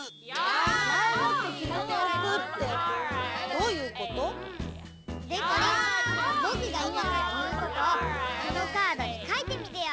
まえもってきめておくってどういうこと？でこりんぼくがいまからいうことをこのカードにかいてみてよ。